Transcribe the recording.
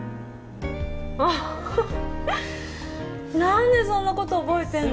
あっ何でそんなこと覚えてんの？